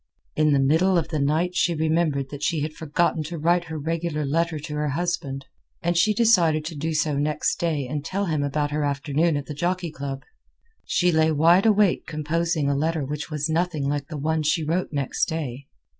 In the middle of the night she remembered that she had forgotten to write her regular letter to her husband; and she decided to do so next day and tell him about her afternoon at the Jockey Club. She lay wide awake composing a letter which was nothing like the one which she wrote next day.